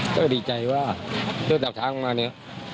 ก็ดิใจว่าเดินจากทางมาขึ้นเนี่ย